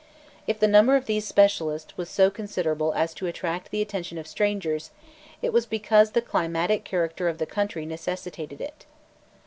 If the number of these specialists was so considerable as to attract the attention of strangers, it was because the climatic character of the country necessitated it.